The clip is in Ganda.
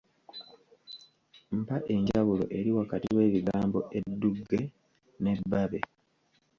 Mpa enjawulo eri wakati w'ebigambo eddugge n'ebbabe.